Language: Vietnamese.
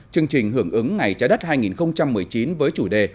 chương trình hưởng ứng ngày trái đất hai nghìn một mươi chín với chủ đề